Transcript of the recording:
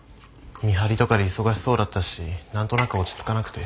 見張りとかで忙しそうだったし何となく落ち着かなくて。